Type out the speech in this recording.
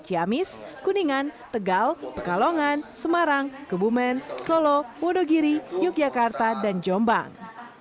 ciamis kuningan tegal pekalongan semarang kebumen solo wodogiri yogyakarta dan jombang